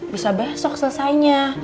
bisa besok selesainya